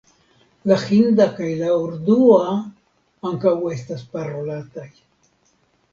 La hinda kaj la urdua ankaŭ estas parolataj.